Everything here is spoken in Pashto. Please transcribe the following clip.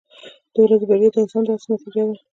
• د ورځې بریا د انسان د هڅو نتیجه ده.